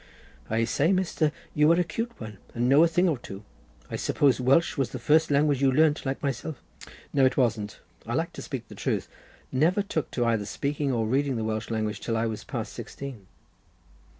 "I say, Mr., you are a cute one, and know a thing or two. I suppose Welsh was the first language you learnt, like myself?" "No, it wasn't—I like to speak the truth—never took to either speaking or reading the Welsh language till I was past sixteen."